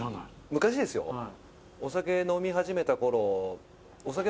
昔ですよお酒飲み始めた頃。